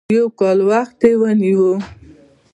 يو کال وخت یې ونیو.